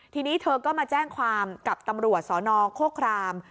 ทีนี้เธอก็มาแจ้งความกับตำรวจสนโคคราม